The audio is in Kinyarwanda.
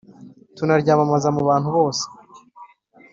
Tunaryamamaze mu bantu bose